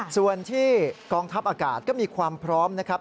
ส่วนที่กองทัพอากาศก็มีความพร้อมนะครับ